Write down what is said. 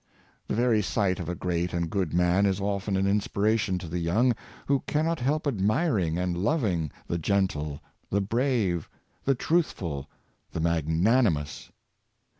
The very sight of a great and good man is often an inspiration to the young, who cannot help admiring and loving the gentle, the brave, the truthful, the magnani mous